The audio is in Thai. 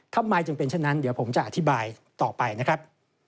ทำไมจึงเป็นเช่นนั้นเดี๋ยวผมจะอธิบายต่อไปนะครับ